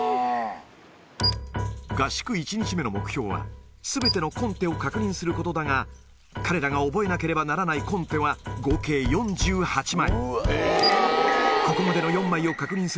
合宿１日目の目標は、すべてのコンテを確認することだが、彼らが覚えなければならないコンテは合計４８枚。